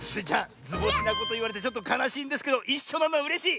ずぼしなこといわれてちょっとかなしいんですけどいっしょなのはうれしい！